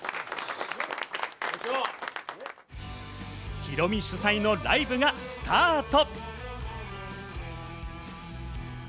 ヒロミ主催のライブがスタート。